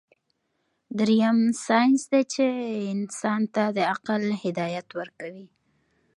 دريم سائنس دے چې انسان ته د عقل هدايت ورکوي